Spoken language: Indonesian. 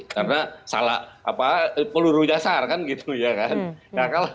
karena peluru nyasar kan gitu ya kan